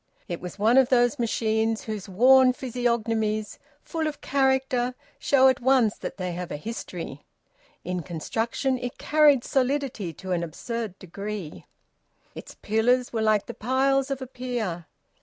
It was one of those machines whose worn physiognomies, full of character, show at once that they have a history. In construction it carried solidity to an absurd degree. Its pillars were like the piles of a pier.